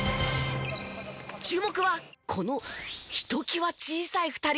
注目はこのひときわ小さい２人。